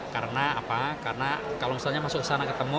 karena kalau misalnya masuk ke sana ketemu